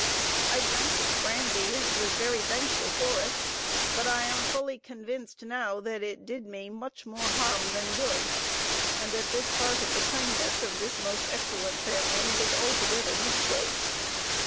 I drank this brandy, and was very thankful for it; but I am fully convinced now that it did me much more harm than good; and that this part of the kindness of this most excellent family was altogether misplaced.